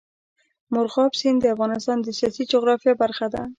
مورغاب سیند د افغانستان د سیاسي جغرافیه برخه ده.